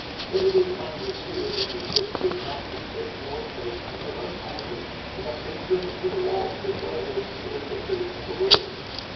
but it was finally clear that the ship could not be put north of Nunavak Island without danger of her loss as well as sealing the fate of the whalers.